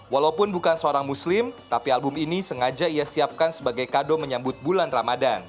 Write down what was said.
walaupun bukan seorang muslim tapi album ini sengaja ia siapkan sebagai kado menyambut bulan ramadan